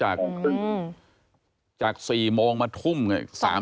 โหจาก๔โมงมาทุ่มนะครับ